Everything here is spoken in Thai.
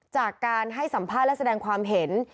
จากการให้สัมภาษณ์และแสดงความเห็น